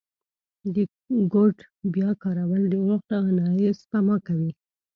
د کوډ بیا کارول د وخت او منابعو سپما کوي.